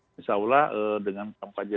misal lah dengan kampanye